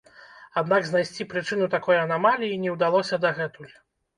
Аднак знайсці прычыну такой анамаліі не ўдалося дагэтуль.